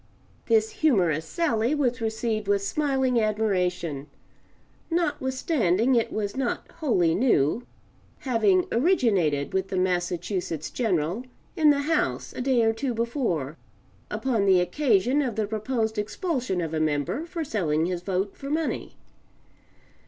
[This humorous sally was received with smiling admiration notwithstanding it was not wholly new, having originated with the Massachusetts General in the House a day or two before, upon the occasion of the proposed expulsion of a member for selling his vote for money.